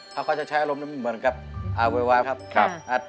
เขาก็จะใช้อารมณ์เหมือนกับโวยวายครับ